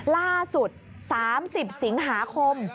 ล่าสุด๓๐สิงหาคม